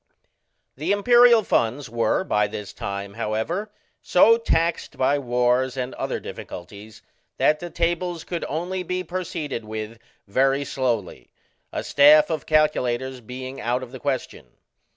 The Imperial funds were by this time, however, so taxed by wars and other difficulties that the tables could only be proceeded with very slowly, a staff of calculators being out of the question.